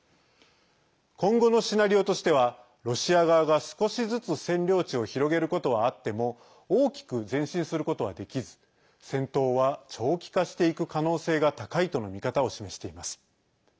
今後のシナリオとしてはロシア側が少しずつ占領地を広げることはあっても大きく前進することはできず戦闘は長期化していく可能性が高いとの見方を示しています。